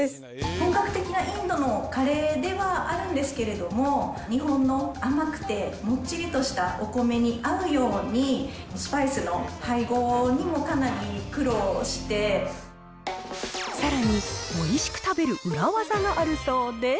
本格的なインドのカレーではあるんですけれども、日本の甘くてもっちりとしたお米に合うように、スパイスの配合にさらに、おいしく食べる裏技があるそうで。